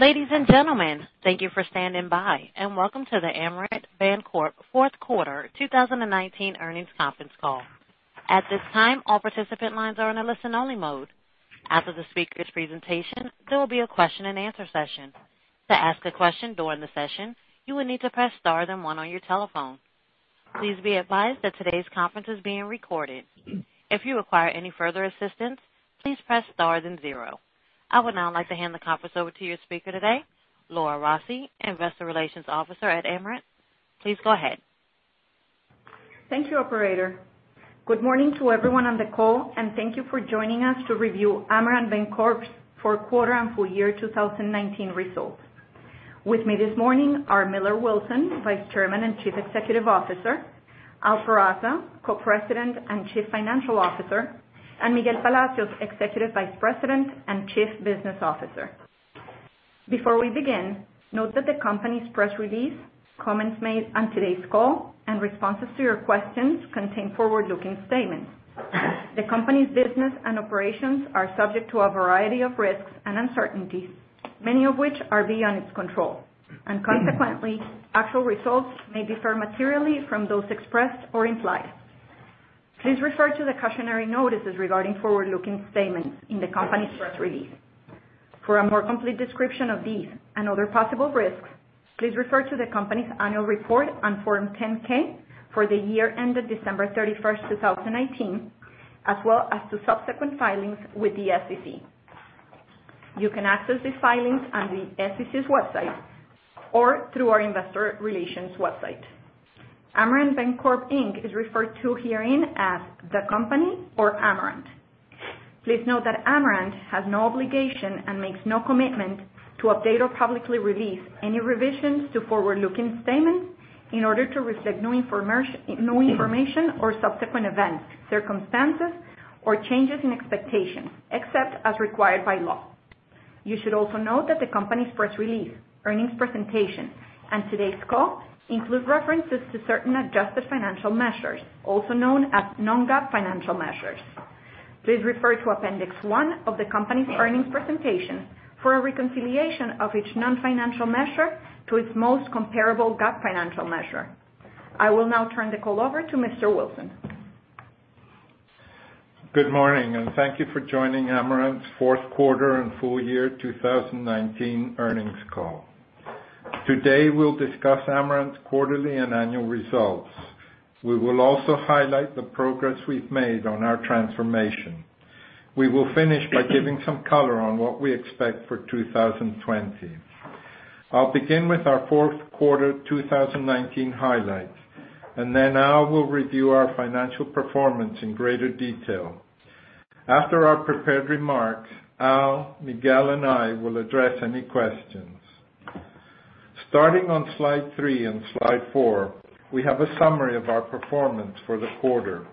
Ladies and gentlemen, thank you for standing by, and welcome to the Amerant Bancorp fourth quarter 2019 earnings conference call. At this time, all participant lines are in a listen-only mode. After the speaker's presentation, there will be a question and answer session. To ask a question during the session, you will need to press star then one on your telephone. Please be advised that today's conference is being recorded. If you require any further assistance, please press star then zero. I would now like to hand the conference over to your speaker today, Laura Rossi, Investor Relations Officer at Amerant Bancorp. Please go ahead. Thank you, operator. Good morning to everyone on the call, and thank you for joining us to review Amerant Bancorp's fourth quarter and full year 2019 results. With me this morning are Millar Wilson, Vice Chairman and Chief Executive Officer, Al Peraza, Co-President and Chief Financial Officer, and Miguel Palacios, Executive Vice President and Chief Business Officer. Before we begin, note that the company's press release, comments made on today's call, and responses to your questions contain forward-looking statements. The company's business and operations are subject to a variety of risks and uncertainties, many of which are beyond its control. Consequently, actual results may differ materially from those expressed or implied. Please refer to the cautionary notices regarding forward-looking statements in the company's press release. For a more complete description of these and other possible risks, please refer to the company's annual report on form 10-K for the year ended December 31st, 2019, as well as to subsequent filings with the SEC. You can access these filings on the SEC's website or through our investor relations website. Amerant Bancorp Inc. is referred to herein as the company or Amerant Bancorp. Please note that Amerant Bancorp has no obligation and makes no commitment to update or publicly release any revisions to forward-looking statements in order to reflect new information or subsequent events, circumstances, or changes in expectations, except as required by law. You should also note that the company's press release, earnings presentation, and today's call include references to certain adjusted financial measures, also known as non-GAAP financial measures. Please refer to appendix one of the company's earnings presentation for a reconciliation of each non-financial measure to its most comparable GAAP financial measure. I will now turn the call over to Mr. Wilson. Good morning. Thank you for joining Amerant Bancorp's fourth quarter and full year 2019 earnings call. Today, we'll discuss Amerant Bancorp's quarterly and annual results. We will also highlight the progress we've made on our transformation. We will finish by giving some color on what we expect for 2020. I'll begin with our fourth quarter 2019 highlights, and then Al will review our financial performance in greater detail. After our prepared remarks, Al, Miguel, and I will address any questions. Starting on slide three and slide four, we have a summary of our performance for the quarter.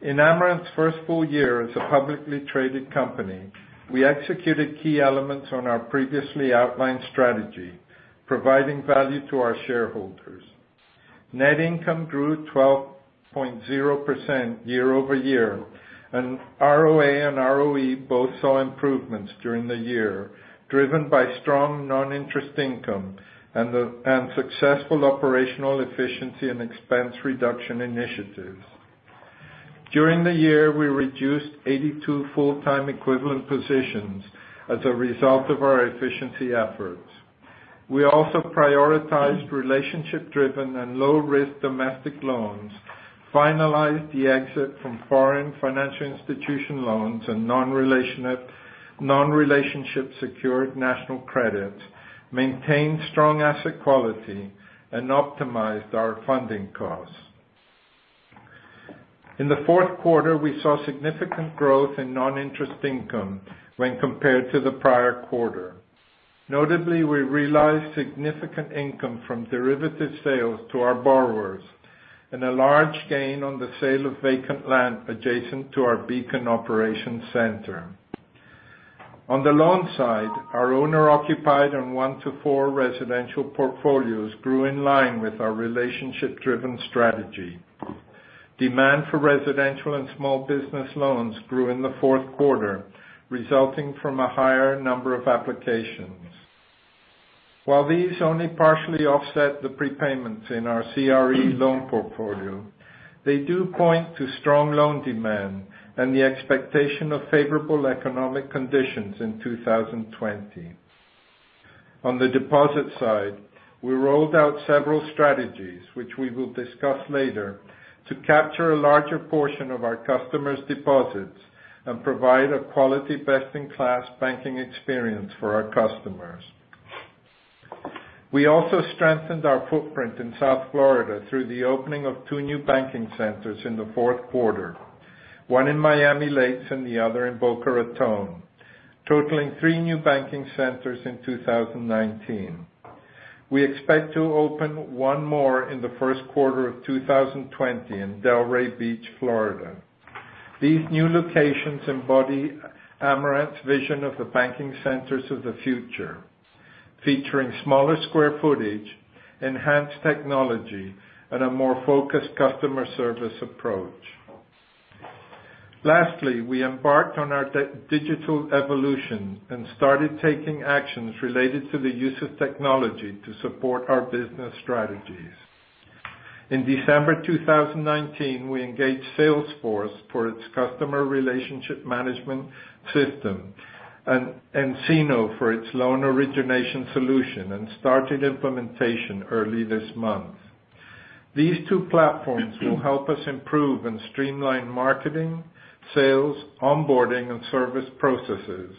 In Amerant Bancorp's first full year as a publicly traded company, we executed key elements on our previously outlined strategy, providing value to our shareholders. Net income grew 12.0% year-over-year, and ROA and ROE both saw improvements during the year, driven by strong non-interest income and successful operational efficiency and expense reduction initiatives. During the year, we reduced 82 full-time equivalent positions as a result of our efficiency efforts. We also prioritized relationship-driven and low-risk domestic loans, finalized the exit from foreign financial institution loans and non-relationship secured national credits, maintained strong asset quality, and optimized our funding costs. In the fourth quarter, we saw significant growth in non-interest income when compared to the prior quarter. Notably, we realized significant income from derivative sales to our borrowers and a large gain on the sale of vacant land adjacent to our Beacon operations center. On the loan side, our owner-occupied and one to four residential portfolios grew in line with our relationship-driven strategy. Demand for residential and small business loans grew in the fourth quarter, resulting from a higher number of applications. While these only partially offset the prepayments in our CRE loan portfolio, they do point to strong loan demand and the expectation of favorable economic conditions in 2020. On the deposit side, we rolled out several strategies, which we will discuss later, to capture a larger portion of our customers' deposits and provide a quality best-in-class banking experience for our customers. We also strengthened our footprint in South Florida through the opening of two new banking centers in the fourth quarter, one in Miami Lakes and the other in Boca Raton, totaling three new banking centers in 2019. We expect to open one more in the first quarter of 2020 in Delray Beach, Florida. These new locations embody Amerant Bancorp's vision of the banking centers of the future, featuring smaller square footage, enhanced technology, and a more focused customer service approach. Lastly, we embarked on our digital evolution and started taking actions related to the use of technology to support our business strategies. In December 2019, we engaged Salesforce for its customer relationship management system and nCino for its loan origination solution and started implementation early this month. These two platforms will help us improve and streamline marketing, sales, onboarding, and service processes,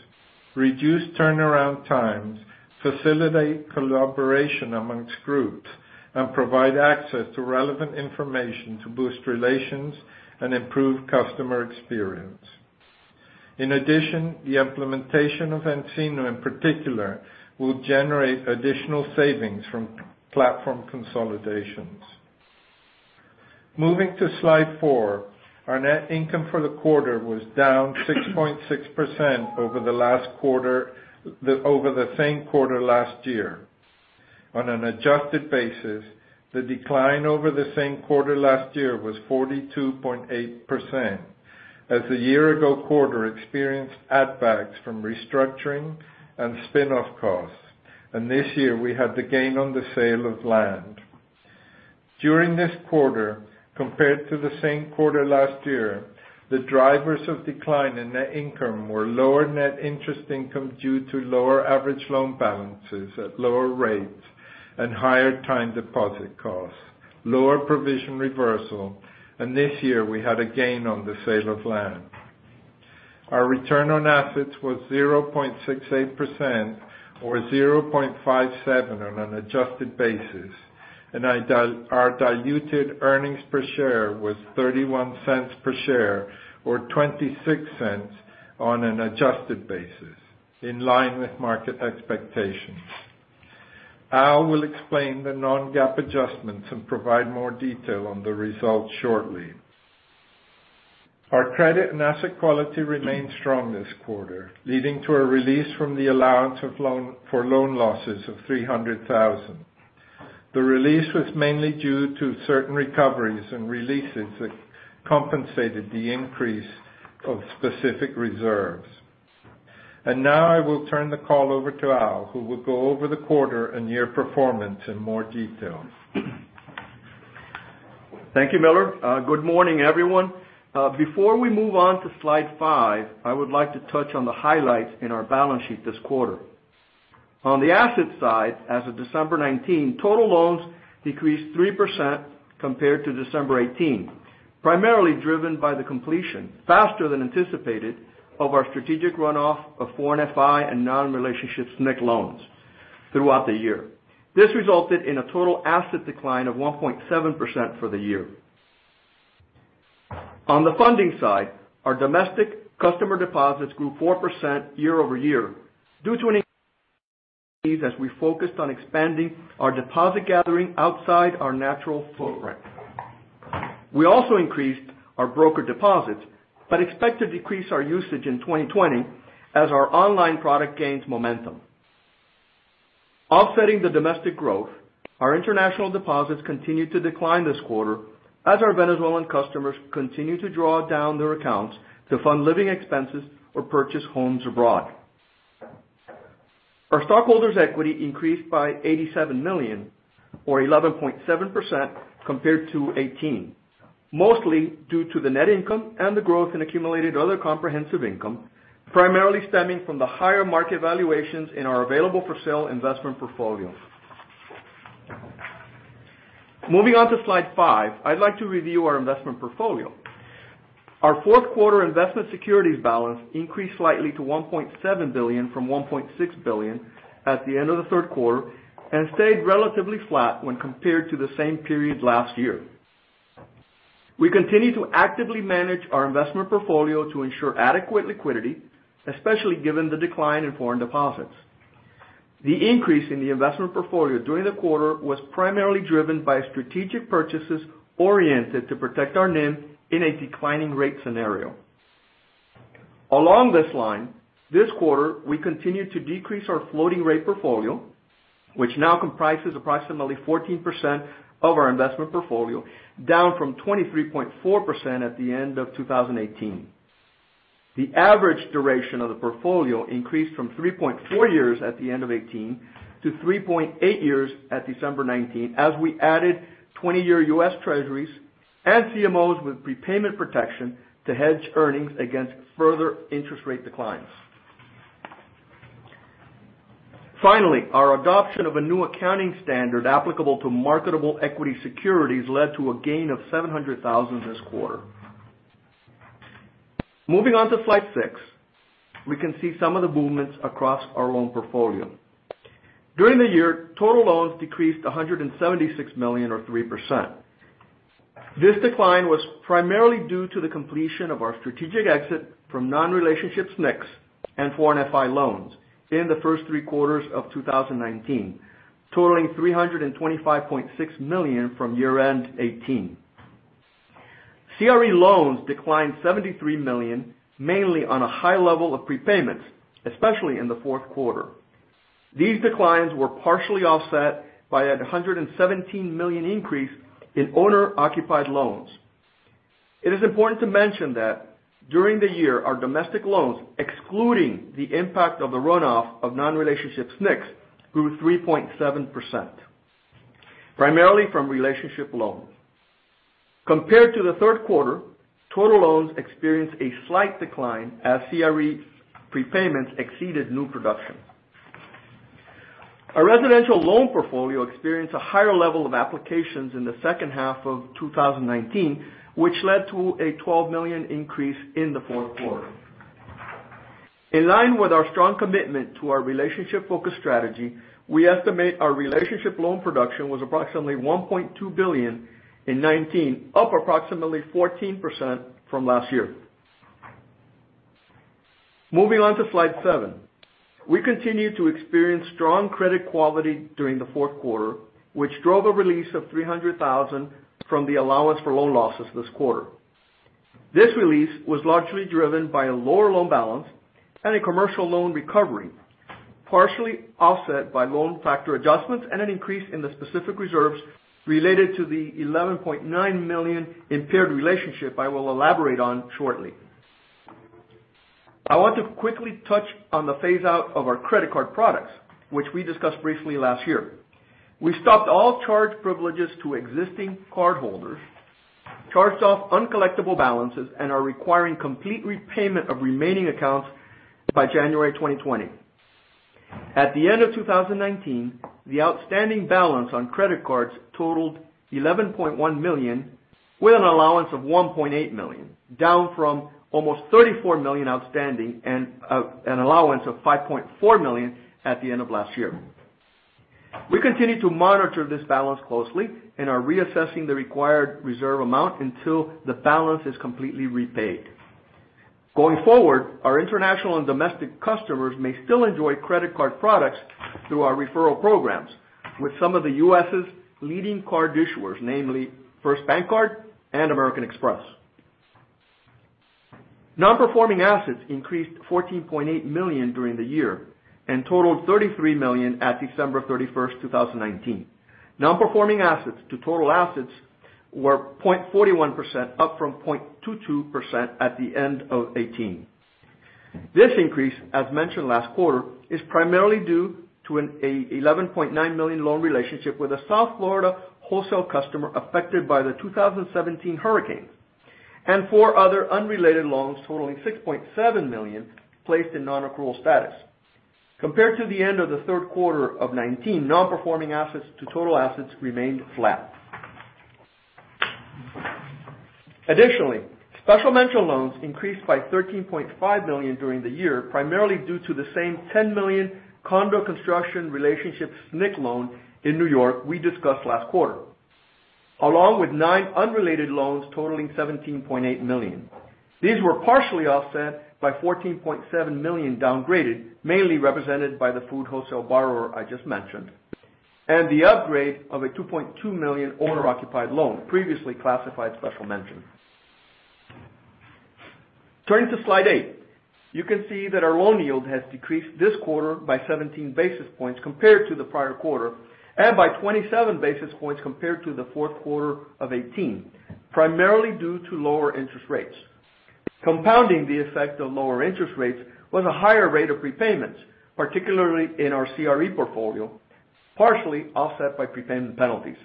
reduce turnaround times, facilitate collaboration amongst groups, and provide access to relevant information to boost relations and improve customer experience. In addition, the implementation of nCino in particular will generate additional savings from platform consolidations. Moving to slide four, our net income for the quarter was down 6.6% over the same quarter last year. On an adjusted basis, the decline over the same quarter last year was 42.8%, as the year-ago quarter experienced add backs from restructuring and spin-off costs, and this year we had the gain on the sale of land. During this quarter, compared to the same quarter last year, the drivers of decline in net income were lower net interest income due to lower average loan balances at lower rates and higher time deposit costs, lower provision reversal, and this year we had a gain on the sale of land. Our return on assets was 0.68%, or 0.57% on an adjusted basis, and our diluted earnings per share was $0.31 per share or $0.26 on an adjusted basis, in line with market expectations. Al will explain the non-GAAP adjustments and provide more detail on the results shortly. Our credit and asset quality remained strong this quarter, leading to a release from the allowance for loan losses of $300,000. The release was mainly due to certain recoveries and releases that compensated the increase of specific reserves. Now I will turn the call over to Al, who will go over the quarter and year performance in more detail. Thank you, Millar. Good morning, everyone. Before we move on to slide five, I would like to touch on the highlights in our balance sheet this quarter. On the asset side, as of December 2019, total loans decreased 3% compared to December 2018, primarily driven by the completion, faster than anticipated, of our strategic runoff of foreign FI and non-relationship SNC loans throughout the year. This resulted in a total asset decline of 1.7% for the year. On the funding side, our domestic customer deposits grew 4% year-over-year due to an increase as we focused on expanding our deposit gathering outside our natural footprint. We also increased our broker deposits, but expect to decrease our usage in 2020 as our online product gains momentum. Offsetting the domestic growth, our international deposits continued to decline this quarter as our Venezuelan customers continued to draw down their accounts to fund living expenses or purchase homes abroad. Our stockholders' equity increased by $87 million or 11.7% compared to 2018. Mostly due to the net income and the growth in accumulated other comprehensive income, primarily stemming from the higher market valuations in our available-for-sale investment portfolio. Moving on to slide five, I'd like to review our investment portfolio. Our fourth quarter investment securities balance increased slightly to $1.7 billion from $1.6 billion at the end of the third quarter and stayed relatively flat when compared to the same period last year. We continue to actively manage our investment portfolio to ensure adequate liquidity, especially given the decline in foreign deposits. The increase in the investment portfolio during the quarter was primarily driven by strategic purchases oriented to protect our NIM in a declining rate scenario. Along this line, this quarter, we continued to decrease our floating rate portfolio, which now comprises approximately 14% of our investment portfolio, down from 23.4% at the end of 2018. The average duration of the portfolio increased from 3.4 years at the end of 2018 to 3.8 years at December 2019, as we added 20-year US Treasuries and CMOs with prepayment protection to hedge earnings against further interest rate declines. Finally, our adoption of a new accounting standard applicable to marketable equity securities led to a gain of $700,000 this quarter. Moving on to slide six, we can see some of the movements across our loan portfolio. During the year, total loans decreased $176 million or 3%. This decline was primarily due to the completion of our strategic exit from non-relationship SNCs and foreign FI loans in the first three quarters of 2019, totaling $325.6 million from year-end 2018. CRE loans declined $73 million, mainly on a high level of prepayments, especially in the fourth quarter. These declines were partially offset by a $117 million increase in owner-occupied loans. It is important to mention that during the year, our domestic loans, excluding the impact of the runoff of non-relationship SNCs, grew 3.7%, primarily from relationship loans. Compared to the third quarter, total loans experienced a slight decline as CRE prepayments exceeded new production. Our residential loan portfolio experienced a higher level of applications in the second half of 2019, which led to a $12 million increase in the fourth quarter. In line with our strong commitment to our relationship-focused strategy, we estimate our relationship loan production was approximately $1.2 billion in 2019, up approximately 14% from last year. Moving on to slide seven. We continued to experience strong credit quality during the fourth quarter, which drove a release of $300,000 from the allowance for loan losses this quarter. This release was largely driven by a lower loan balance and a commercial loan recovery, partially offset by loan factor adjustments and an increase in the specific reserves related to the $11.9 million impaired relationship I will elaborate on shortly. I want to quickly touch on the phase-out of our credit card products, which we discussed briefly last year. We stopped all charge privileges to existing cardholders, charged off uncollectible balances, and are requiring complete repayment of remaining accounts by January 2020. At the end of 2019, the outstanding balance on credit cards totaled $11.1 million, with an allowance of $1.8 million, down from almost $34 million outstanding and an allowance of $5.4 million at the end of last year. We continue to monitor this balance closely and are reassessing the required reserve amount until the balance is completely repaid. Going forward, our international and domestic customers may still enjoy credit card products through our referral programs with some of the US's leading card issuers, namely First Bankcard and American Express. Non-performing assets increased to $14.8 million during the year and totaled $33 million at December 31st, 2019. Non-performing assets to total assets were 0.41%, up from 0.22% at the end of 2018. This increase, as mentioned last quarter, is primarily due to an $11.9 million loan relationship with a South Florida wholesale customer affected by the 2017 hurricanes, and four other unrelated loans totaling $6.7 million placed in non-accrual status. Compared to the end of the third quarter of 2019, non-performing assets to total assets remained flat. Special mention loans increased by $13.5 million during the year, primarily due to the same $10 million condo construction relationship SNC loan in New York we discussed last quarter, along with nine unrelated loans totaling $17.8 million. These were partially offset by $14.7 million downgraded, mainly represented by the food wholesale borrower I just mentioned, and the upgrade of a $2.2 million owner-occupied loan, previously classified special mention. Turning to slide eight. You can see that our loan yield has decreased this quarter by 17 basis points compared to the prior quarter, and by 27 basis points compared to the fourth quarter of 2018, primarily due to lower interest rates. Compounding the effect of lower interest rates was a higher rate of prepayments, particularly in our CRE portfolio, partially offset by prepayment penalties.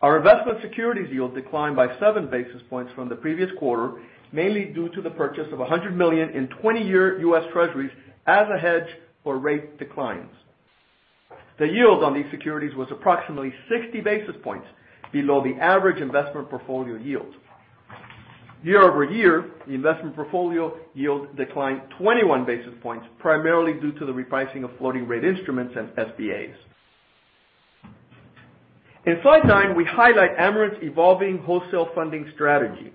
Our investment securities yield declined by seven basis points from the previous quarter, mainly due to the purchase of $100 million in 20-year US Treasuries as a hedge for rate declines. The yield on these securities was approximately 60 basis points below the average investment portfolio yield. Year-over-year, the investment portfolio yield declined 21 basis points, primarily due to the repricing of floating rate instruments and SBAs. In slide nine, we highlight Amerant's evolving wholesale funding strategy.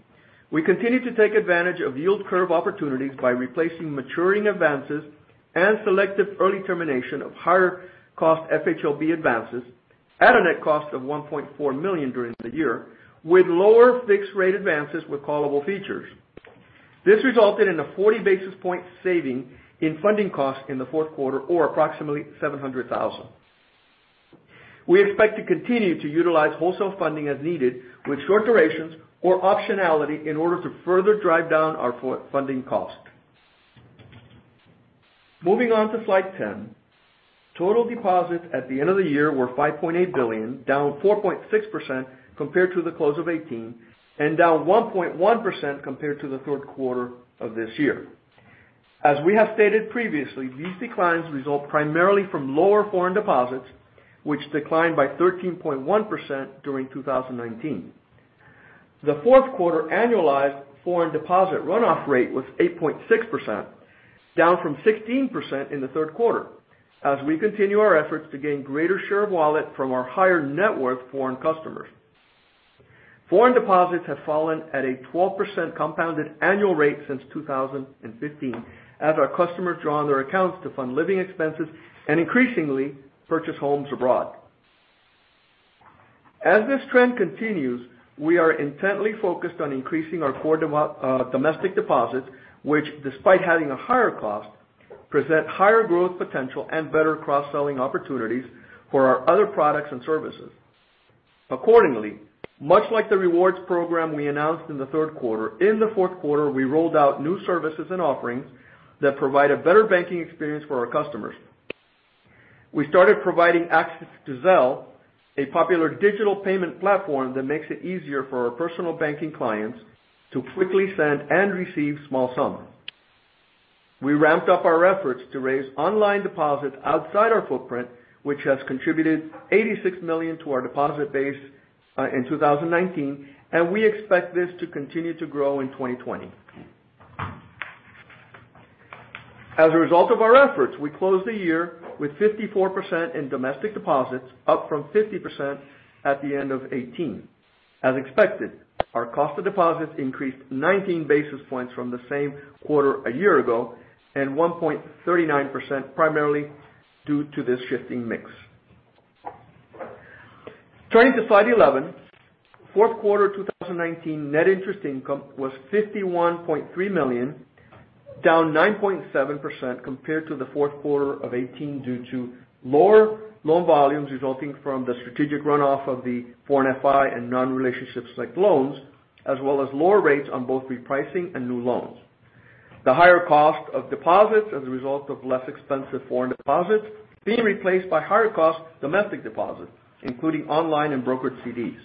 We continue to take advantage of yield curve opportunities by replacing maturing advances and selective early termination of higher cost FHLB advances at a net cost of $1.4 million during the year with lower fixed rate advances with callable features. This resulted in a 40 basis point saving in funding cost in the fourth quarter, or approximately $700,000. We expect to continue to utilize wholesale funding as needed with short durations or optionality in order to further drive down our funding cost. Moving on to slide 10. Total deposits at the end of the year were $5.8 billion, down 4.6% compared to the close of 2018, and down 1.1% compared to the third quarter of this year. As we have stated previously, these declines result primarily from lower foreign deposits, which declined by 13.1% during 2019. The fourth quarter annualized foreign deposit runoff rate was 8.6%, down from 16% in the third quarter as we continue our efforts to gain greater share of wallet from our higher net worth foreign customers. Foreign deposits have fallen at a 12% compounded annual rate since 2015 as our customers draw on their accounts to fund living expenses and increasingly purchase homes abroad. As this trend continues, we are intently focused on increasing our core domestic deposits, which despite having a higher cost, present higher growth potential and better cross-selling opportunities for our other products and services. Accordingly, much like the rewards program we announced in the third quarter, in the fourth quarter, we rolled out new services and offerings that provide a better banking experience for our customers. We started providing access to Zelle, a popular digital payment platform that makes it easier for our personal banking clients to quickly send and receive small sums. We ramped up our efforts to raise online deposits outside our footprint, which has contributed $86 million to our deposit base in 2019, and we expect this to continue to grow in 2020. As a result of our efforts, we closed the year with 54% in domestic deposits, up from 50% at the end of 2018. As expected, our cost of deposits increased 19 basis points from the same quarter a year ago, and 1.39% primarily due to this shifting mix. Turning to slide 11. Fourth quarter 2019 net interest income was $51.3 million, down 9.7% compared to the fourth quarter of 2018 due to lower loan volumes resulting from the strategic runoff of the foreign FI and non-relationship select loans, as well as lower rates on both repricing and new loans. The higher cost of deposits as a result of less expensive foreign deposits being replaced by higher cost domestic deposits, including online and brokered CDs.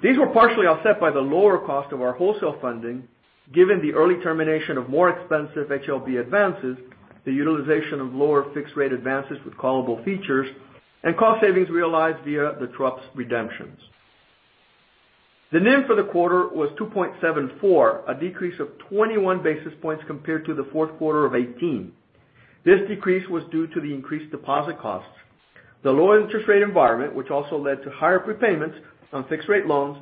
These were partially offset by the lower cost of our wholesale funding, given the early termination of more expensive FHLB advances, the utilization of lower fixed-rate advances with callable features, and cost savings realized via the TruPS redemptions. The NIM for the quarter was 2.74, a decrease of 21 basis points compared to the fourth quarter of 2018. This decrease was due to the increased deposit costs, the lower interest rate environment, which also led to higher prepayments on fixed-rate loans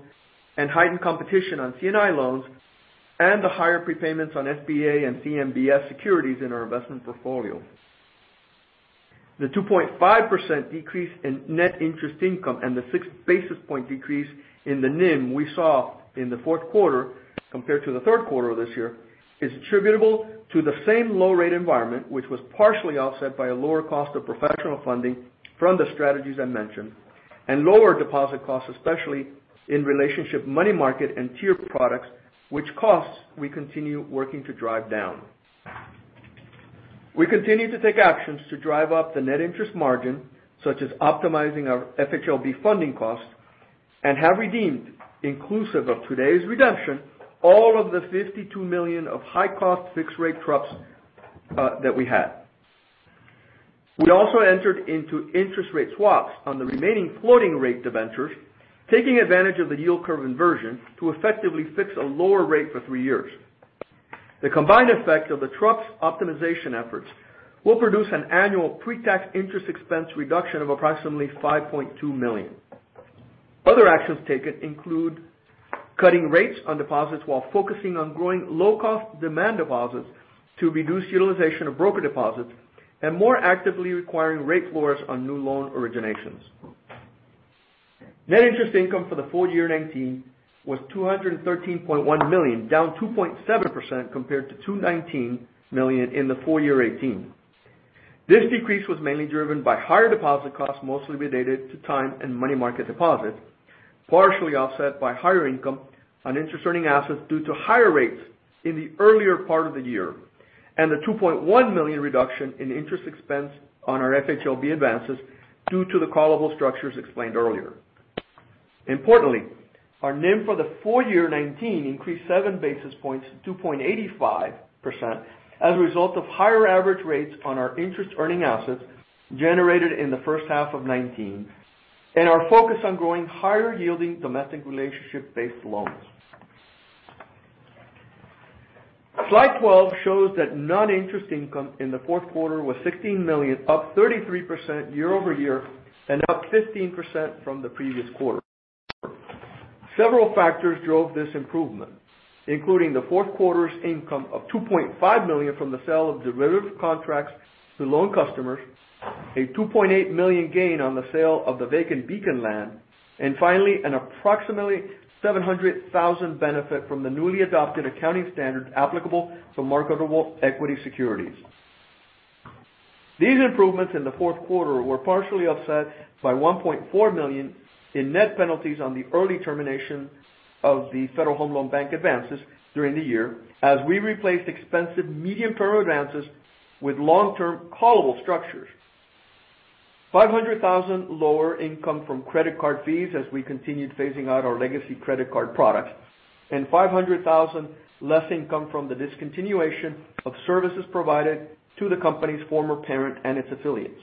and heightened competition on C&I loans, and the higher prepayments on SBA and CMBS securities in our investment portfolio. The 2.5% decrease in net interest income and the six basis point decrease in the NIM we saw in the fourth quarter compared to the third quarter of this year is attributable to the same low rate environment, which was partially offset by a lower cost of professional funding from the strategies I mentioned, and lower deposit costs, especially in relationship money market and tier products, which costs we continue working to drive down. We continue to take actions to drive up the net interest margin, such as optimizing our FHLB funding costs, and have redeemed, inclusive of today's redemption, all of the $52 million of high-cost fixed-rate TruPS that we had. We also entered into interest rate swaps on the remaining floating rate debentures, taking advantage of the yield curve inversion to effectively fix a lower rate for three years. The combined effect of the TruPS optimization efforts will produce an annual pre-tax interest expense reduction of approximately $5.2 million. Other actions taken include cutting rates on deposits while focusing on growing low-cost demand deposits to reduce utilization of broker deposits and more actively requiring rate floors on new loan originations. Net interest income for the full year 2019 was $213.1 million, down 2.7% compared to $219 million in the full year 2018. This decrease was mainly driven by higher deposit costs, mostly related to time and money market deposits, partially offset by higher income on interest-earning assets due to higher rates in the earlier part of the year, and a $2.1 million reduction in interest expense on our FHLB advances due to the callable structures explained earlier. Importantly, our NIM for the full year 2019 increased seven basis points to 2.85% as a result of higher average rates on our interest-earning assets generated in the first half of 2019, and our focus on growing higher-yielding domestic relationship-based loans. Slide 12 shows that non-interest income in the fourth quarter was $16 million, up 33% year-over-year and up 15% from the previous quarter. Several factors drove this improvement, including the fourth quarter's income of $2.5 million from the sale of derivative contracts to loan customers, a $2.8 million gain on the sale of the vacant Beacon land, and finally, an approximately $700,000 benefit from the newly adopted accounting standard applicable to marketable equity securities. These improvements in the fourth quarter were partially offset by $1.4 million in net penalties on the early termination of the Federal Home Loan Bank advances during the year, as we replaced expensive medium-term advances with long-term callable structures, $500,000 lower income from credit card fees as we continued phasing out our legacy credit card product, and $500,000 less income from the discontinuation of services provided to the company's former parent and its affiliates.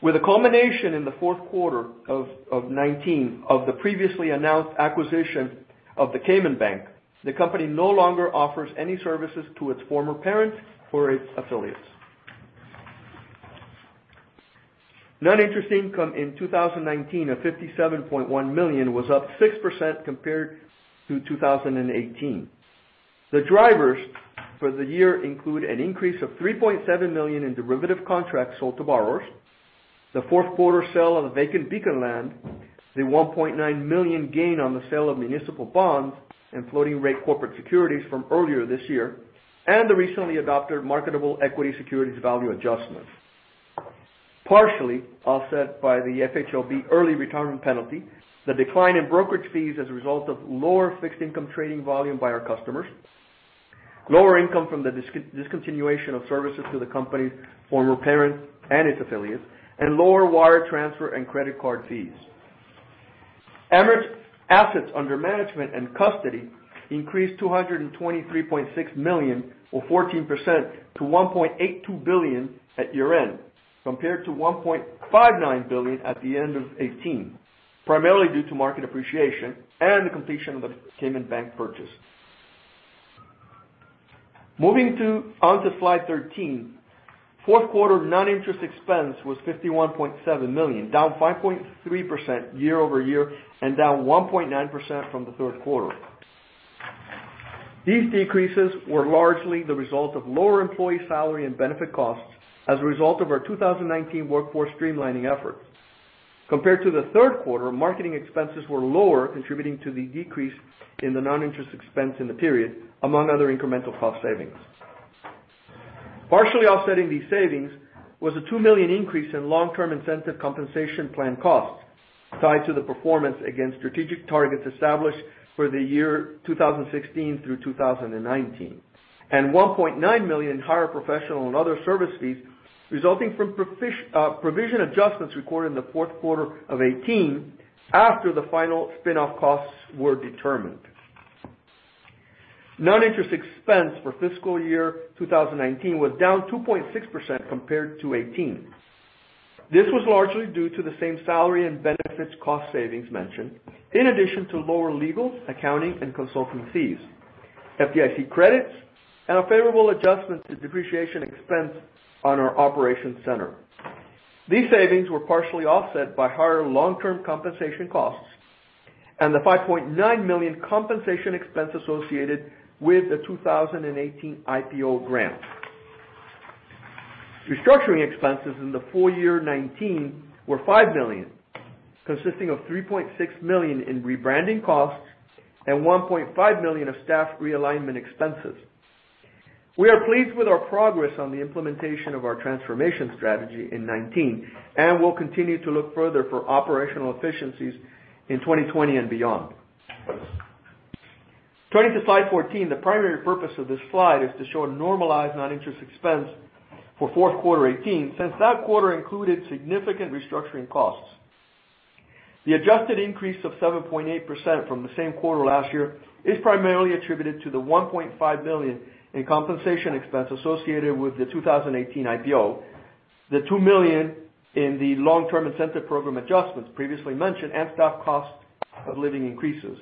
With the culmination in the fourth quarter of 2019 of the previously announced acquisition of Cayman Bank, the company no longer offers any services to its former parent or its affiliates. Non-interest income in 2019 of $57.1 million was up 6% compared to 2018. The drivers for the year include an increase of $3.7 million in derivative contracts sold to borrowers, the fourth quarter sale of the vacant Beacon land, the $1.9 million gain on the sale of municipal bonds and floating rate corporate securities from earlier this year, and the recently adopted marketable equity securities value adjustments. Partially offset by the FHLB early return penalty, the decline in brokerage fees as a result of lower fixed income trading volume by our customers, lower income from the discontinuation of services to the company's former parent and its affiliates, and lower wire transfer and credit card fees. Amerant Bancorp assets under management and custody increased $223.6 million or 14% to $1.82 billion at year-end, compared to $1.59 billion at the end of 2018, primarily due to market appreciation and the completion of the Cayman Bank purchase. Moving on to slide 13. Fourth quarter non-interest expense was $51.7 million, down 5.3% year-over-year and down 1.9% from the third quarter. These decreases were largely the result of lower employee salary and benefit costs as a result of our 2019 workforce streamlining efforts. Compared to the third quarter, marketing expenses were lower, contributing to the decrease in the non-interest expense in the period, among other incremental cost savings. Partially offsetting these savings was a $2 million increase in long-term incentive compensation plan costs tied to the performance against strategic targets established for the year 2016-2019, and $1.9 million higher professional and other service fees resulting from provision adjustments recorded in the fourth quarter of 2018 after the final spin-off costs were determined. Non-interest expense for fiscal year 2019 was down 2.6% compared to 2018. This was largely due to the same salary and benefits cost savings mentioned, in addition to lower legal, accounting, and consulting fees, FDIC credits, and a favorable adjustment to depreciation expense on our operations center. These savings were partially offset by higher long-term compensation costs and the $5.9 million compensation expense associated with the 2018 IPO grant. Restructuring expenses in the full year 2019 were $5 million, consisting of $3.6 million in rebranding costs and $1.5 million of staff realignment expenses. We are pleased with our progress on the implementation of our transformation strategy in 2019. We'll continue to look further for operational efficiencies in 2020 and beyond. Turning to slide 14, the primary purpose of this slide is to show a normalized non-interest expense for fourth quarter 2018, since that quarter included significant restructuring costs. The adjusted increase of 7.8% from the same quarter last year is primarily attributed to the $1.5 million in compensation expense associated with the 2018 IPO, the $2 million in the long-term incentive program adjustments previously mentioned, and staff cost of living increases.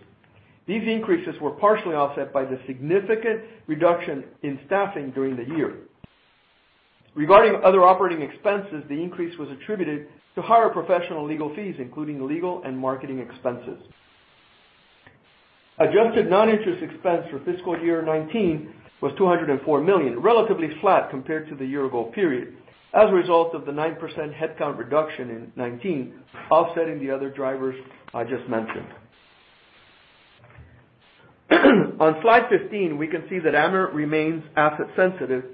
These increases were partially offset by the significant reduction in staffing during the year. Regarding other operating expenses, the increase was attributed to higher professional legal fees, including legal and marketing expenses. Adjusted non-interest expense for fiscal year 2019 was $204 million, relatively flat compared to the year ago period as a result of the 9% headcount reduction in 2019 offsetting the other drivers I just mentioned. On slide 15, we can see that Amerant Bancorp remains asset sensitive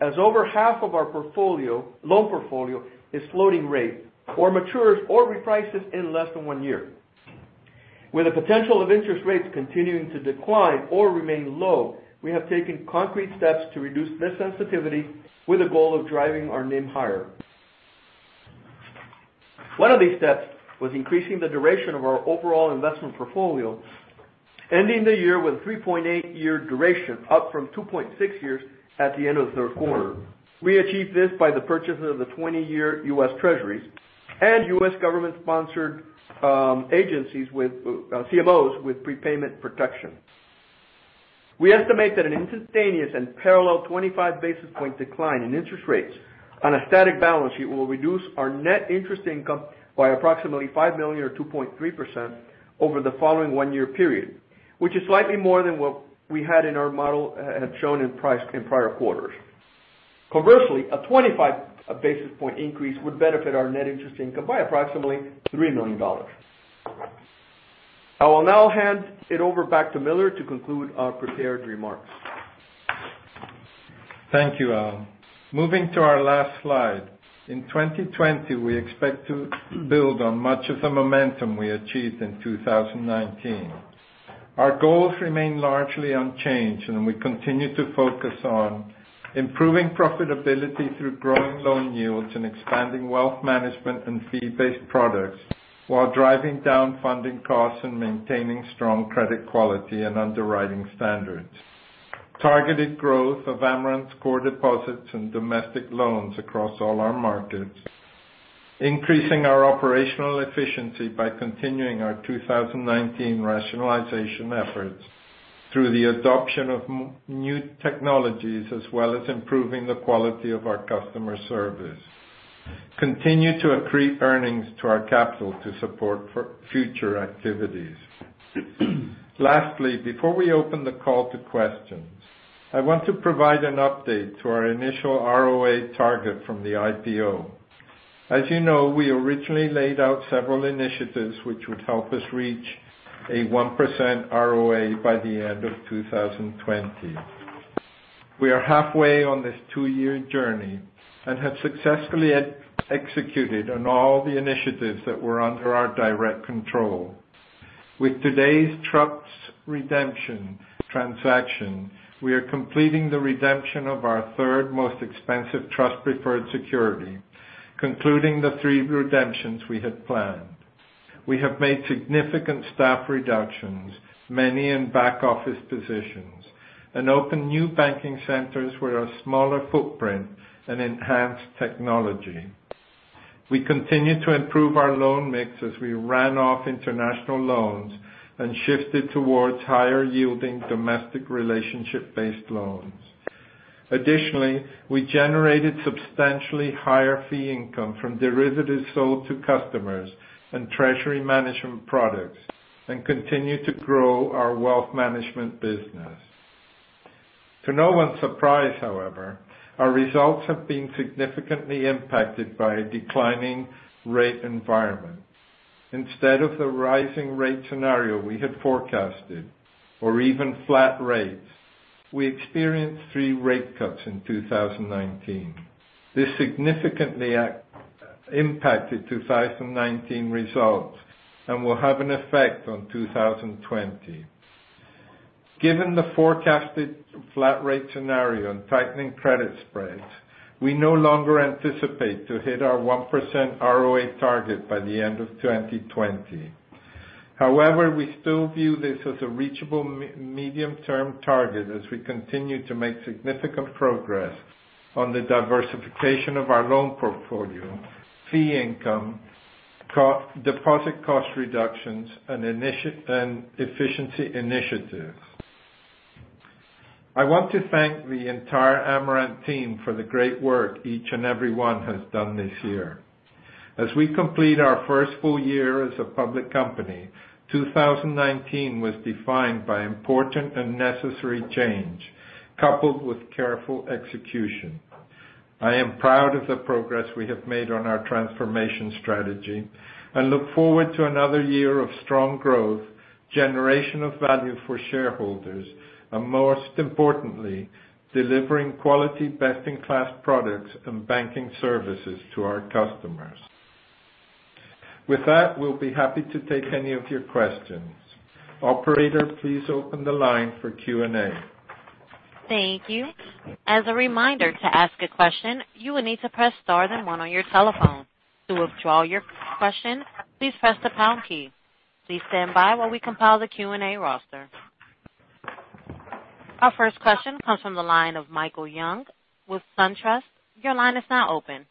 as over half of our loan portfolio is floating rate or matures or reprices in less than one year. With the potential of interest rates continuing to decline or remain low, we have taken concrete steps to reduce this sensitivity with the goal of driving our NIM higher. One of these steps was increasing the duration of our overall investment portfolio, ending the year with 3.8-year duration, up from 2.6 years at the end of the third quarter. We achieved this by the purchase of the 20-year US Treasuries and US government-sponsored CMOs with prepayment protection. We estimate that an instantaneous and parallel 25 basis point decline in interest rates on a static balance sheet will reduce our net interest income by approximately $5 million or 2.3% over the following one year period, which is slightly more than what we had in our model shown in prior quarters. A 25 basis point increase would benefit our net interest income by approximately $3 million. I will now hand it over back to Millar to conclude our prepared remarks. Thank you, Al. Moving to our last slide. In 2020, we expect to build on much of the momentum we achieved in 2019. Our goals remain largely unchanged, and we continue to focus on improving profitability through growing loan yields and expanding wealth management and fee-based products while driving down funding costs and maintaining strong credit quality and underwriting standards. Targeted growth of Amerant Bancorp's core deposits and domestic loans across all our markets. Increasing our operational efficiency by continuing our 2019 rationalization efforts through the adoption of new technologies as well as improving the quality of our customer service. Continue to accrete earnings to our capital to support future activities. Lastly, before we open the call to questions, I want to provide an update to our initial ROA target from the IPO. As you know, we originally laid out several initiatives which would help us reach a 1% ROA by the end of 2020. We are halfway on this two-year journey and have successfully executed on all the initiatives that were under our direct control. With today's trust redemption transaction, we are completing the redemption of our third most expensive trust preferred security, concluding the three redemptions we had planned. We have made significant staff reductions, many in back office positions, and opened new banking centers with a smaller footprint and enhanced technology. We continued to improve our loan mix as we ran off international loans and shifted towards higher yielding domestic relationship based loans. Additionally, we generated substantially higher fee income from derivatives sold to customers and treasury management products and continued to grow our wealth management business. To no one's surprise, however, our results have been significantly impacted by a declining rate environment. Instead of the rising rate scenario we had forecasted, or even flat rates, we experienced three rate cuts in 2019. This significantly impacted 2019 results and will have an effect on 2020. Given the forecasted flat rate scenario and tightening credit spreads, we no longer anticipate to hit our 1% ROA target by the end of 2020. However, we still view this as a reachable medium term target as we continue to make significant progress on the diversification of our loan portfolio, fee income, deposit cost reductions, and efficiency initiatives. I want to thank the entire Amerant Bancorp team for the great work each and every one has done this year. As we complete our first full year as a public company, 2019 was defined by important and necessary change, coupled with careful execution. I am proud of the progress we have made on our transformation strategy and look forward to another year of strong growth, generation of value for shareholders, and most importantly, delivering quality best in class products and banking services to our customers. With that, we'll be happy to take any of your questions. Operator, please open the line for Q&A. Thank you. As a reminder, to ask a question, you will need to press star, then one on your telephone. To withdraw your question, please press the pound key. Please stand by while we compile the Q&A roster. Our first question comes from the line of Michael Young with SunTrust. Your line is now open.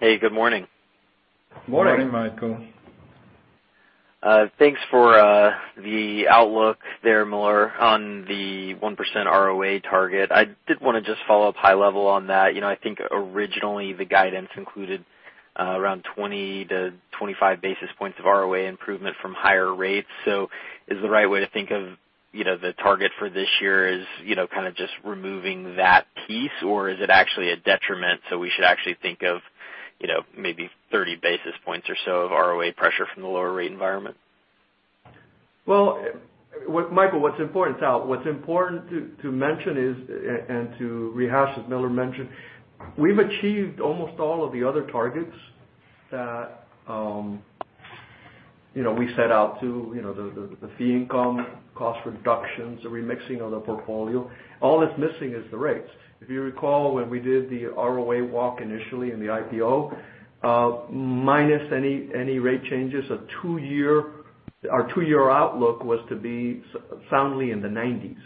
Hey, good morning. Morning. Good morning, Michael. Thanks for the outlook there, Millar, on the 1% ROA target. I did want to just follow up high level on that. I think originally the guidance included around 20 basis points-25 basis points of ROA improvement from higher rates. Is the right way to think of the target for this year is kind of just removing that piece, or is it actually a detriment, so we should actually think of maybe 30 basis points or so of ROA pressure from the lower rate environment? Well, Michael, what's important to mention is, and to rehash as Millar mentioned, we've achieved almost all of the other targets that we set out to. The fee income, cost reductions, the remixing of the portfolio. All that's missing is the rates. If you recall, when we did the ROA walk initially in the IPO, minus any rate changes, our two year outlook was to be soundly in the 90s.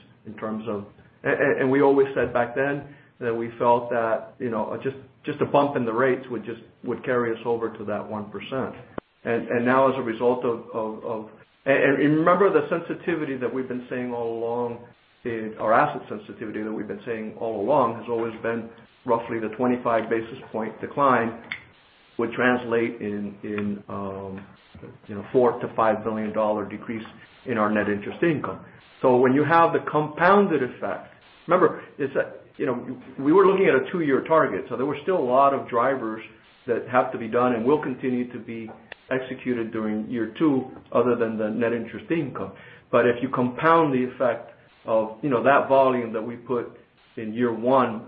We always said back then that we felt that just a bump in the rates would carry us over to that 1%. Remember the sensitivity that we've been saying all along in our asset sensitivity that we've been saying all along has always been roughly the 25 basis point decline would translate in $4 billion-$5 billion decrease in our net interest income. When you have the compounded effect, remember, we were looking at a two year target, so there were still a lot of drivers that have to be done and will continue to be executed during year two other than the net interest income. If you compound the effect of that volume that we put in year one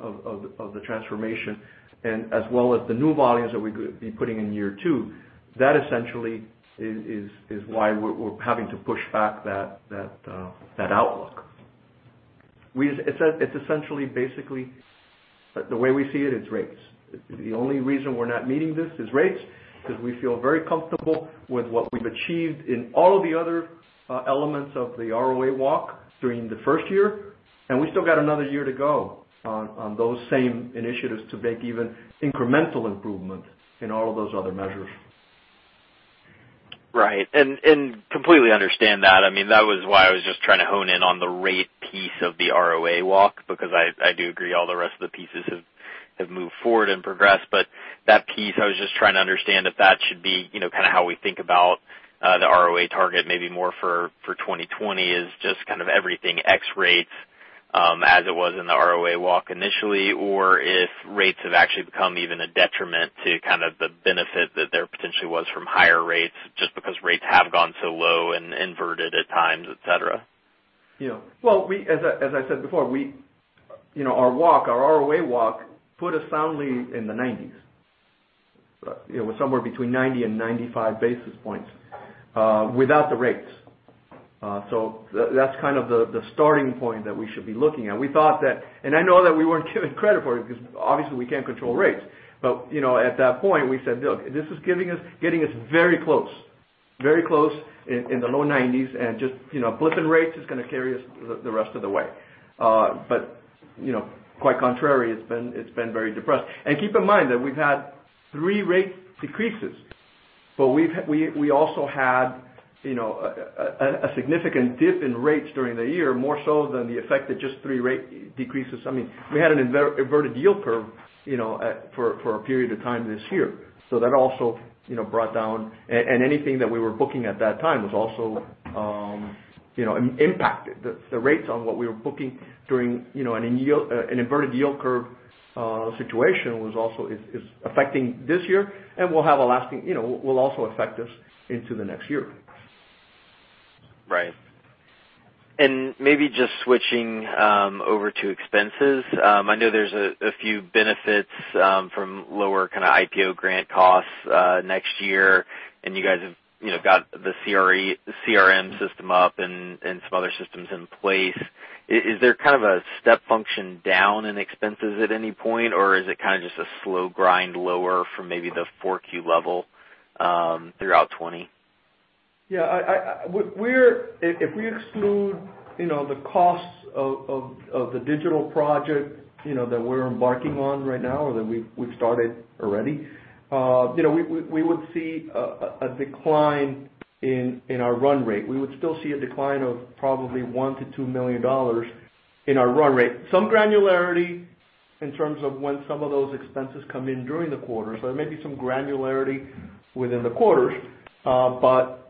of the transformation, and as well as the new volumes that we could be putting in year two, that essentially is why we're having to push back that outlook. It's essentially basically the way we see it is rates. The only reason we're not meeting this is rates, because we feel very comfortable with what we've achieved in all of the other elements of the ROA walk during the first year. We still got another year to go on those same initiatives to make even incremental improvement in all of those other measures. Right. Completely understand that. That was why I was just trying to hone in on the rate piece of the ROA walk, because I do agree all the rest of the pieces have moved forward and progressed. That piece, I was just trying to understand if that should be how we think about the ROA target, maybe more for 2020 is just kind of everything X rates as it was in the ROA walk initially, or if rates have actually become even a detriment to the benefit that there potentially was from higher rates just because rates have gone so low and inverted at times, et cetera. Yeah. Well, as I said before, our ROA walk put us soundly in the 90s. It was somewhere between 90 basis points and 95 basis points without the rates. That's kind of the starting point that we should be looking at. We thought, and I know that we weren't given credit for it because obviously we can't control rates. At that point, we said, "Look, this is getting us very close in the low 90s, and just blip in rates is going to carry us the rest of the way." Quite contrary, it's been very depressed. Keep in mind that we've had three rate decreases, but we also had a significant dip in rates during the year, more so than the effect that just three rate decreases. We had an inverted yield curve for a period of time this year. Anything that we were booking at that time was also impacted. The rates on what we were booking during an inverted yield curve situation is affecting this year, and will also affect us into the next year. Right. Maybe just switching over to expenses. I know there's a few benefits from lower IPO grant costs next year, and you guys have got the CRM system up and some other systems in place. Is there kind of a step function down in expenses at any point, or is it kind of just a slow grind lower from maybe the 4Q level throughout 2020? Yeah. If we exclude the costs of the digital project that we're embarking on right now or that we've started already, we would see a decline in our run rate. We would still see a decline of probably $1 million-$2 million in our run rate. Some granularity in terms of when some of those expenses come in during the quarter. There may be some granularity within the quarters. All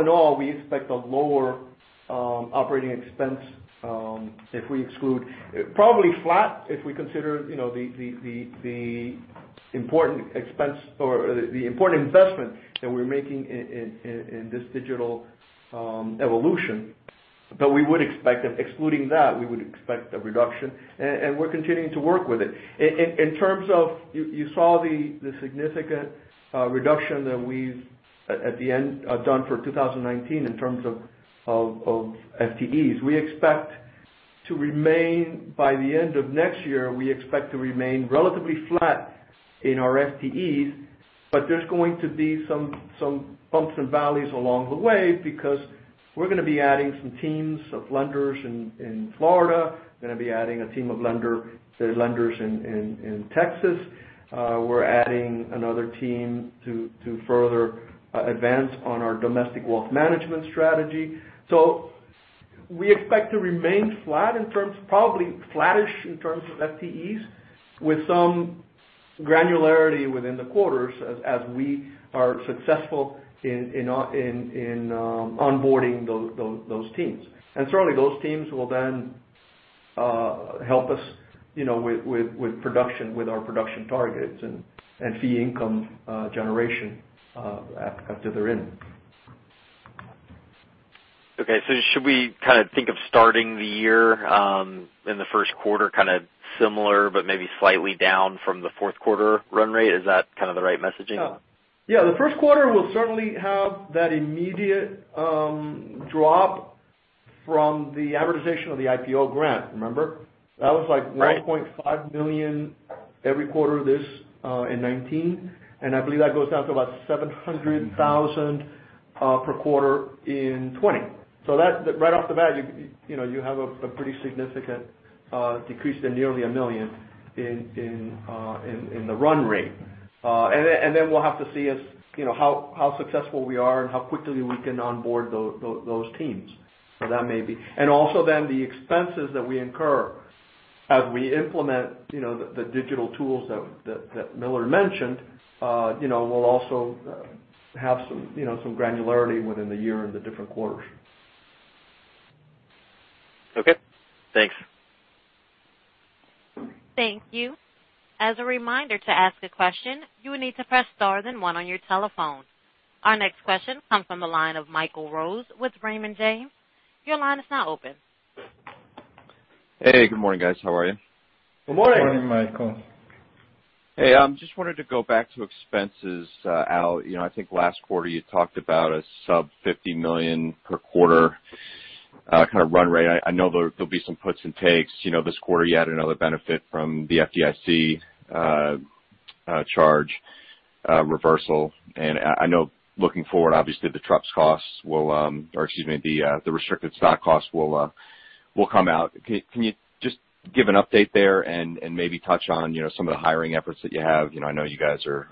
in all, we expect a lower operating expense if we exclude, probably flat if we consider the important investment that we're making in this digital evolution. Excluding that, we would expect a reduction, and we're continuing to work with it. In terms of, you saw the significant reduction that we've at the end done for 2019 in terms of FTEs. By the end of next year, we expect to remain relatively flat in our FTEs, but there's going to be some bumps and valleys along the way because we're going to be adding some teams of lenders in Florida. We're going to be adding a team of lenders in Texas. We're adding another team to further advance on our domestic wealth management strategy. We expect to remain probably flattish in terms of FTEs with some granularity within the quarters as we are successful in onboarding those teams. Certainly, those teams will then help us with our production targets and fee income generation after they're in. Okay. Should we kind of think of starting the year in the first quarter kind of similar but maybe slightly down from the fourth quarter run rate? Is that kind of the right messaging? Yeah. The first quarter will certainly have that immediate drop from the amortization of the IPO grant, remember? That was like $1.5 million every quarter in 2019. I believe that goes down to about $700,000 per quarter in 2020. Right off the bat, you have a pretty significant decrease to nearly $1 million in the run rate. We'll have to see how successful we are and how quickly we can onboard those teams. So that may be. Also the expenses that we incur as we implement the digital tools that Millar mentioned will also have some granularity within the year and the different quarters. Okay. Thanks. Thank you. As a reminder, to ask a question, you need to press star then one on your telephone. Our next question comes from the line of Michael Rose with Raymond James. Your line is now open. Hey, good morning, guys. How are you? Good morning. Morning, Michael. Hey, just wanted to go back to expenses. Al, I think last quarter you talked about a sub-$50 million per quarter kind of run rate. I know there'll be some puts and takes. This quarter you had another benefit from the FDIC charge reversal. I know looking forward, obviously the TruPS costs or excuse me, the restricted stock costs will come out. Can you just give an update there and maybe touch on some of the hiring efforts that you have? I know you guys are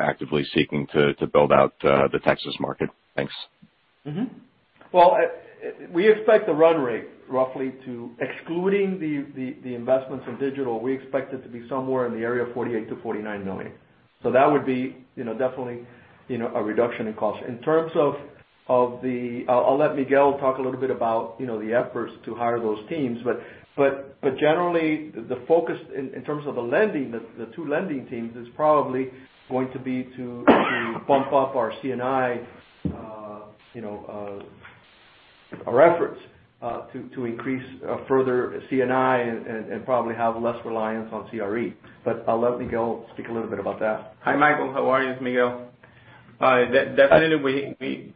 actively seeking to build out the Texas market. Thanks. Well, we expect the run rate roughly excluding the investments in digital, we expect it to be somewhere in the area of $48 million-$49 million. That would be definitely a reduction in cost. I'll let Miguel talk a little bit about the efforts to hire those teams. Generally, the focus in terms of the lending, the two lending teams, is probably going to be to bump up our C&I, our efforts to increase further C&I and probably have less reliance on CRE. I'll let Miguel speak a little bit about that. Hi, Michael. How are you? It's Miguel. Definitely.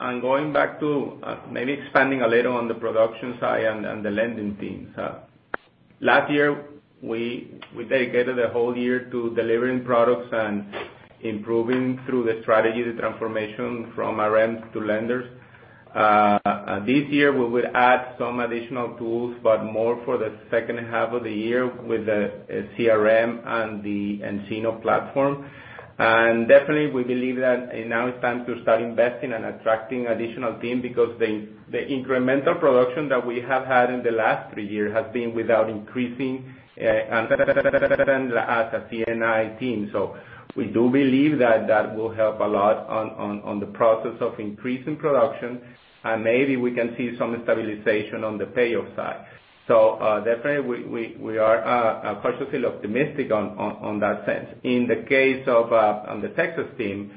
Going back to maybe expanding a little on the production side and the lending teams. Last year, we dedicated the whole year to delivering products and improving through the strategy, the transformation from Amerant Bancorp to lenders. This year, we will add some additional tools, but more for the second half of the year with the CRM and the nCino platform. Definitely, we believe that now it's time to start investing and attracting additional team because the incremental production that we have had in the last three years has been without increasing and as a C&I team. We do believe that that will help a lot on the process of increasing production. Maybe we can see some stabilization on the payoff side. Definitely, we are cautiously optimistic on that sense. In the case of the Texas team,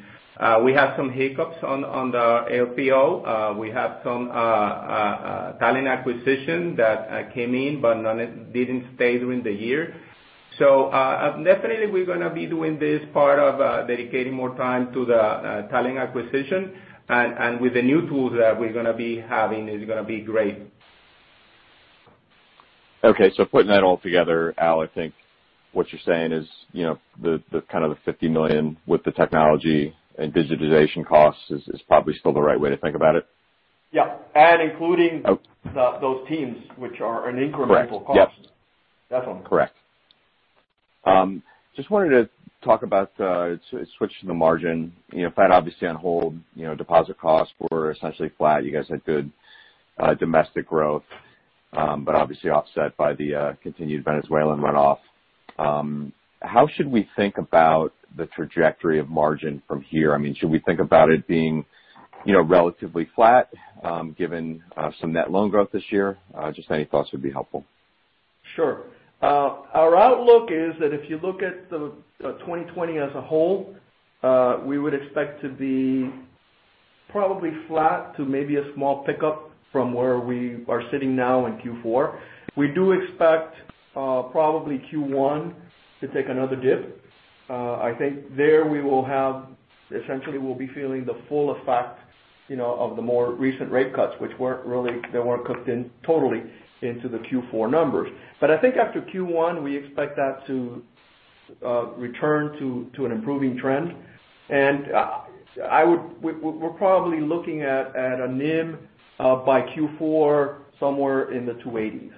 we have some hiccups on the LPO. We have some talent acquisition that came in, but didn't stay during the year. Definitely we're going to be doing this part of dedicating more time to the talent acquisition. With the new tools that we're going to be having, it's going to be great. Okay, putting that all together, Al, I think what you're saying is the kind of the $50 million with the technology and digitization costs is probably still the right way to think about it. Yeah. Okay those teams, which are an incremental- Correct. Yep cost. Definitely. Correct. Just wanted to talk about switching the margin. That obviously on hold. Deposit costs were essentially flat. You guys had good domestic growth, obviously offset by the continued Venezuelan runoff. How should we think about the trajectory of margin from here? Should we think about it being relatively flat given some net loan growth this year? Just any thoughts would be helpful. Sure. Our outlook is that if you look at 2020 as a whole, we would expect to be probably flat to maybe a small pickup from where we are sitting now in Q4. We do expect probably Q1 to take another dip. I think there essentially, we'll be feeling the full effect of the more recent rate cuts, which weren't really, they weren't cooked in totally into the Q4 numbers. I think after Q1, we expect that to return to an improving trend. We're probably looking at a NIM by Q4 somewhere in the 280s,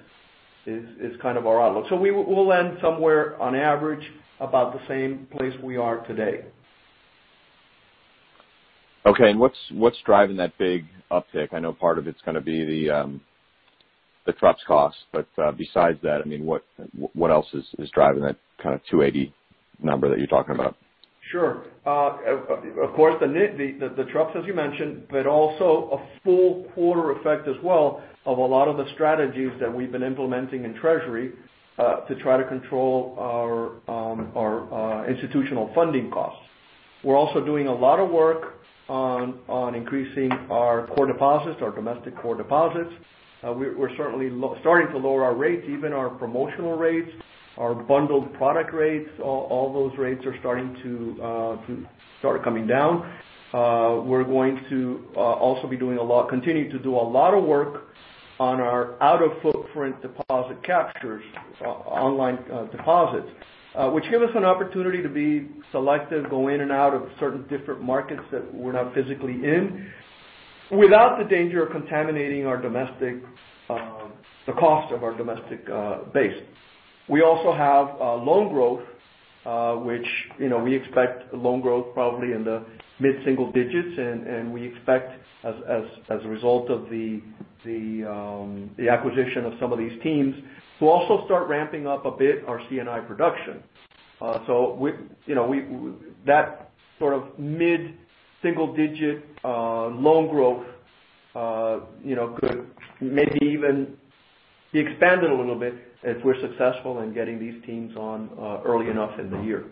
is kind of our outlook. We'll end somewhere on average about the same place we are today. Okay. What's driving that big uptick? I know part of it's going to be the TruPS cost. Besides that, what else is driving that kind of 280 number that you're talking about? Sure. Of course, the TruPS, as you mentioned, but also a full quarter effect as well of a lot of the strategies that we've been implementing in treasury to try to control our institutional funding costs. We're also doing a lot of work on increasing our core deposits, our domestic core deposits. We're certainly starting to lower our rates, even our promotional rates, our bundled product rates. All those rates are starting to come down. We're going to also be doing a lot, continuing to do a lot of work on our out-of-footprint deposit captures, online deposits which give us an opportunity to be selective, go in and out of certain different markets that we're not physically in without the danger of contaminating the cost of our domestic base. We also have loan growth, which we expect loan growth probably in the mid-single digits. We expect as a result of the acquisition of some of these teams to also start ramping up a bit our C&I production. That sort of mid-single digit loan growth could maybe even be expanded a little bit if we're successful in getting these teams on early enough in the year.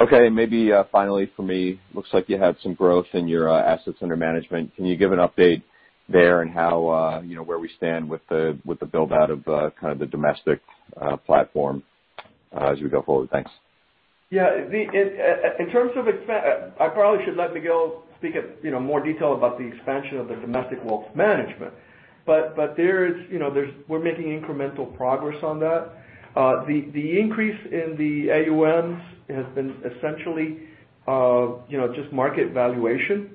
Okay, maybe finally for me. Looks like you had some growth in your assets under management. Can you give an update there on where we stand with the build-out of kind of the domestic platform as we go forward? Thanks. Yeah. I probably should let Miguel speak at more detail about the expansion of the domestic wealth management. We're making incremental progress on that. The increase in the AUMs has been essentially just market valuation.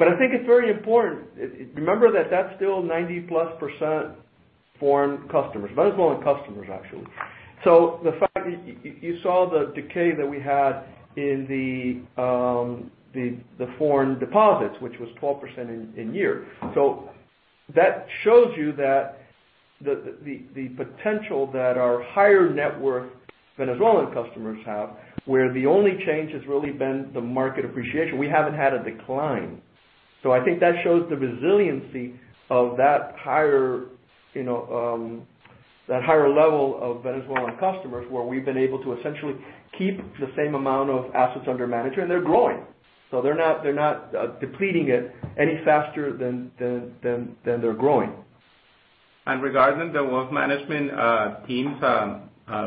I think it's very important. Remember that that's still 90+% foreign customers, Venezuelan customers, actually. The fact you saw the decay that we had in the foreign deposits, which was 12% in year. That shows you that the potential that our higher net worth Venezuelan customers have, where the only change has really been the market appreciation. We haven't had a decline. I think that shows the resiliency of that higher level of Venezuelan customers where we've been able to essentially keep the same amount of assets under management, and they're growing. They're not depleting it any faster than they're growing. Regarding the wealth management teams, I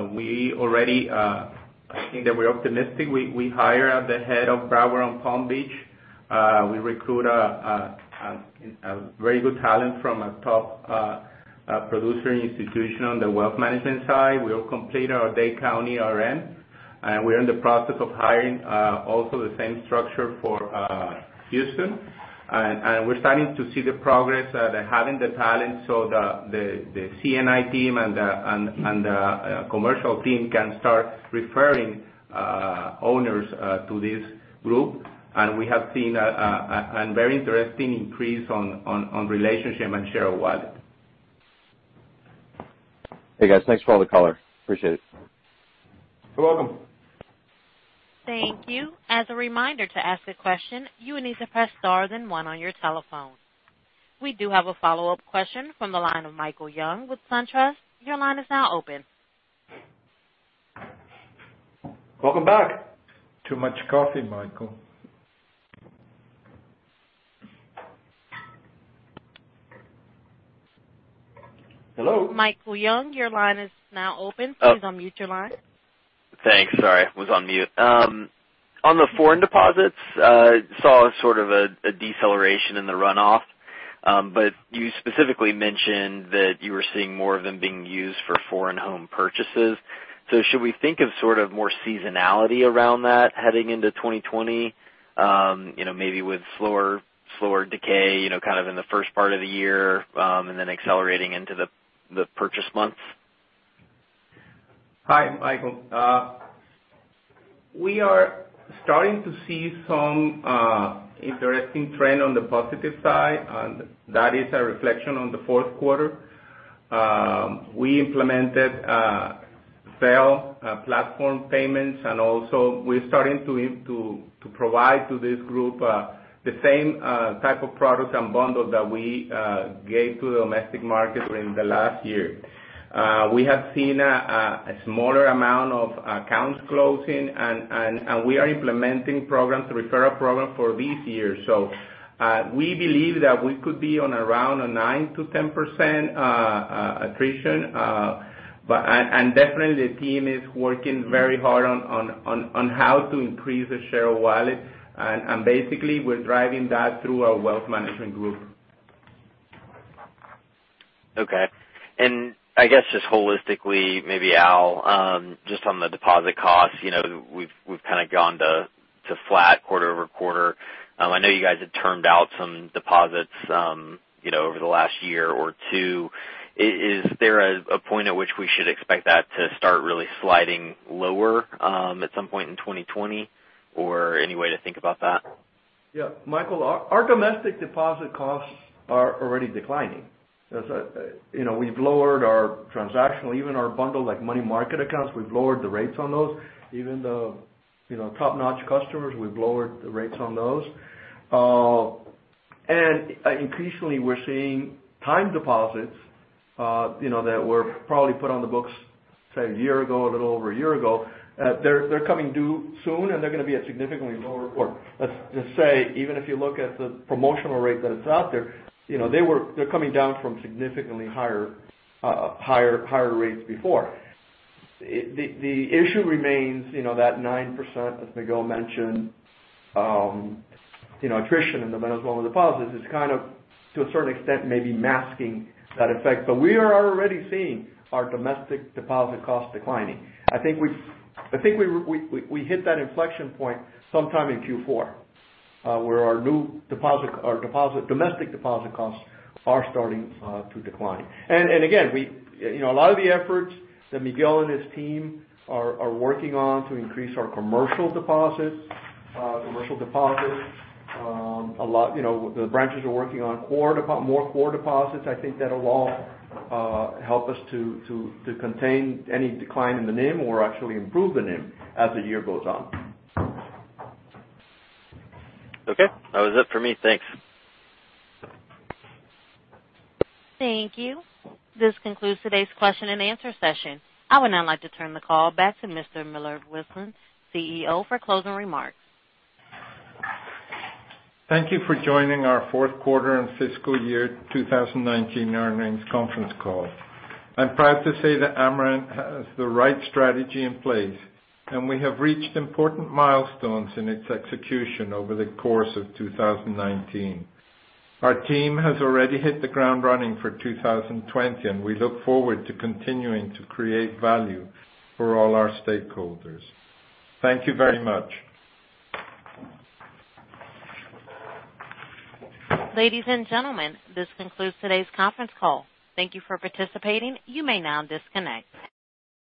think that we're optimistic. We hire at the head of Broward and Palm Beach. We recruit a very good talent from a top producer institution on the wealth management side. We have completed our Dade County RM, and we're in the process of hiring also the same structure for Houston. We're starting to see the progress that having the talent so the C&I team and the commercial team can start referring owners to this group. We have seen a very interesting increase on relationship and share of wallet. Hey, guys. Thanks for all the color. Appreciate it. You're welcome. Thank you. As a reminder, to ask a question, you will need to press star then one on your telephone. We do have a follow-up question from the line of Michael Young with SunTrust. Your line is now open. Welcome back. Too much coffee, Michael. Hello? Michael Young, your line is now open. Please unmute your line. Thanks. Sorry, was on mute. On the foreign deposits, saw sort of a deceleration in the runoff. You specifically mentioned that you were seeing more of them being used for foreign home purchases. Should we think of sort of more seasonality around that heading into 2020? Maybe with slower decay kind of in the first part of the year, and then accelerating into the purchase months. Hi, Michael. We are starting to see some interesting trend on the positive side. That is a reflection on the fourth quarter. We implemented Zelle platform payments. Also we're starting to provide to this group the same type of products and bundles that we gave to the domestic market during the last year. We have seen a smaller amount of accounts closing. We are implementing programs to refer a program for this year. We believe that we could be on around a 9%-10% attrition. Definitely the team is working very hard on how to increase the share of wallet. Basically we're driving that through our wealth management group. Okay. I guess just holistically, maybe Al, just on the deposit costs, we've kind of gone to flat quarter-over-quarter. I know you guys had termed out some deposits over the last year or two. Is there a point at which we should expect that to start really sliding lower at some point in 2020? Or any way to think about that? Yeah. Michael, our domestic deposit costs are already declining. We've lowered our transactional, even our bundle like money market accounts, we've lowered the rates on those. Even the top-notch customers, we've lowered the rates on those. Increasingly, we're seeing time deposits that were probably put on the books, say a year ago, a little over a year ago. They're coming due soon, they're going to be at significantly lower, or let's just say, even if you look at the promotional rate that is out there, they're coming down from significantly higher rates before. The issue remains that 9%, as Miguel mentioned, attrition in the Venezuelan deposits is kind of, to a certain extent, maybe masking that effect. We are already seeing our domestic deposit costs declining. I think we hit that inflection point sometime in Q4 where our new domestic deposit costs are starting to decline. Again, a lot of the efforts that Miguel and his team are working on to increase our commercial deposits. The branches are working on more core deposits. I think that'll all help us to contain any decline in the NIM or actually improve the NIM as the year goes on. Okay. That was it for me. Thanks. Thank you. This concludes today's question and answer session. I would now like to turn the call back to Mr. Millar Wilson, CEO, for closing remarks. Thank you for joining our fourth quarter and fiscal year 2019 earnings conference call. I'm proud to say that Amerant Bancorp has the right strategy in place, and we have reached important milestones in its execution over the course of 2019. Our team has already hit the ground running for 2020, and we look forward to continuing to create value for all our stakeholders. Thank you very much. Ladies and gentlemen, this concludes today's conference call. Thank you for participating. You may now disconnect.